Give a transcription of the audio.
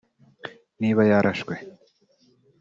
Niba yarashwe